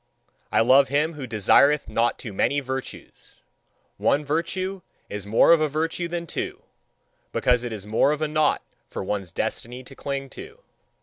I love him who desireth not too many virtues. One virtue is more of a virtue than two, because it is more of a knot for one's destiny to cling to.